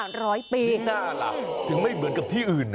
นี่น่ารักถึงไม่เหมือนกับที่อื่น